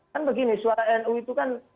kan begini suara nu itu kan